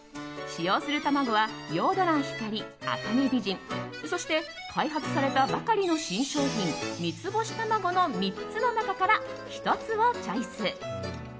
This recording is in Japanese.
使用する卵はヨード卵・光、茜美人そして、開発されたばかりの新商品、三ツ星たまごの３つの中から１つをチョイス。